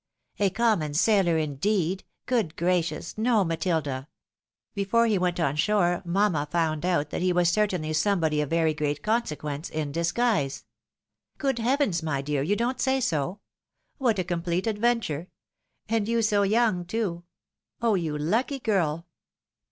" A common sailor, indeed !— Good gracious !— ^no, Matilda. Before he went on shore mamma found out that he was certainly somebody of very great consequence in disguise." " Good heavens ! my dear, you don't say so ? What a com plete adventure? And you so young too! Oh, you lucky girl!"